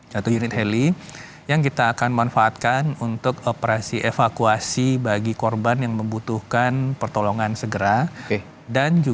satu unit heli yang kita akan manfaatkan untuk operasi evakuasi bagi korban yang membutuhkan pertolongan segera dan juga untuk mendistribusi logistik di daerah tersebut